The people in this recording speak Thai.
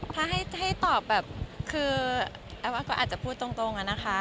ถ้าให้ตอบแบบคือแอฟว่าก็อาจจะพูดตรงอะนะคะ